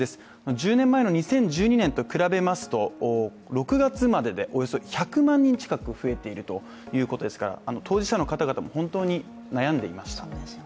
１０年前の２０１２年と比べますと６月までで１００万人近く増えてるということですから当事者の方々も本当に悩んでいました。